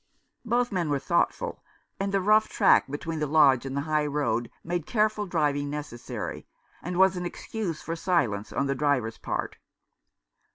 Both men were thoughtful, and the rough track between the lodge and the high road made care ful driving necessary, and was an excuse for silence on the driver's part.